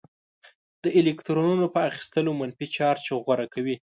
د الکترونونو په اخیستلو منفي چارج غوره کوي.